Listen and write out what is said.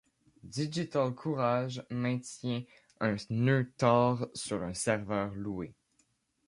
Digitalcourage maintient un nœud Tor sur un serveur loué.